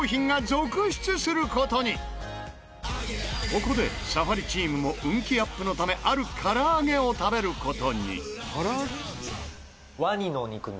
ここでサファリチームも運気アップのためある唐揚げを食べる事に。